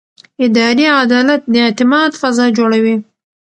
اداري عدالت د اعتماد فضا جوړوي.